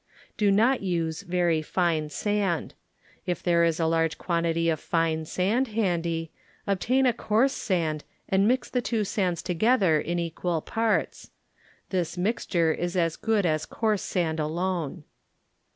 Do not use very fine sand. If there is a large qaanlily of fine sand handy, obtain a coarse sand and mix the two sands together in equal parts ; this mix ture is as good as coarse sand alone.